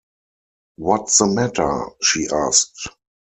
“What’s the matter?” she asked.